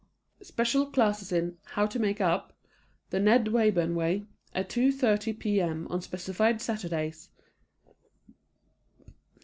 Special classes in "How to Make Up" "The Ned Wayburn Way" at 2:30 p.m. on specified Saturdays.